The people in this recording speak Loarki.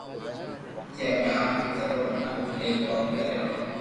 جي امي آپرو زبون ھارو ايلائيڪوم ڪريو